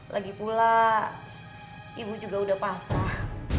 lagipula ibu juga udah pasrah